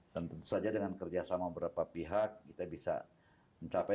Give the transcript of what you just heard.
dan tentu saja dengan kerjasama berapa pihak kita bisa mencapai